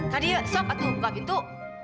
tadi sob buka pintu